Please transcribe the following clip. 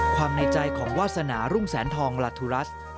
ในใจของวาสนารุ่งแสนทองลาทุรัส